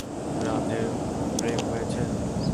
রাধের প্রেম হয়েছে?